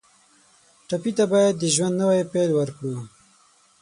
ټپي ته باید د ژوند نوی پیل ورکړو.